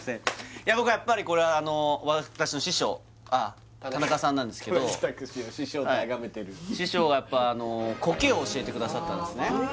いや僕はやっぱりこれはあの田中さんなんですけど田中卓志を師匠と崇めてる師匠がやっぱあのコケを教えてくださったんですね